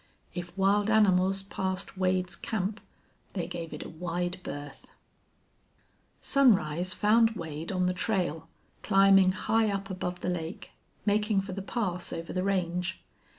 If wild animals passed Wade's camp they gave it a wide berth. Sunrise found Wade on the trail, climbing high up above the lake, making for the pass over the range.